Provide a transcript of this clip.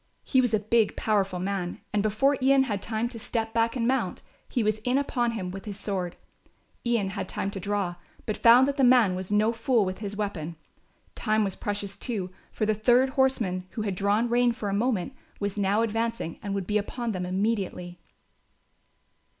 He was a big powerful man and before Ian had time to step back and mount, he was in upon him with his sword. Ian had time to draw, but found that the man was no fool with his weapon. Time was precious, too, for the third horseman, who had drawn rein for a moment, was now advancing and would be upon them immediately.